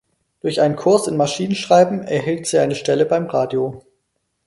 Durch einen Kurs in Maschinenschreiben erhielt sie eine Stelle beim Radio.